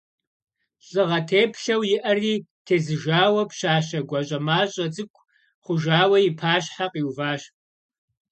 Лӏыгъэ теплъэу иӏари тезыжауэ пщащэ гуащӏэмащӏэ цӏыкӏу хъужауэ и пащхьэ къиуващ.